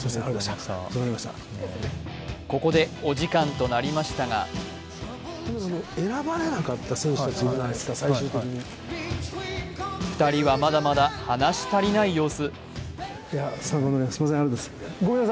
ここでお時間となりましたが２人はまだまだ話したりない様子。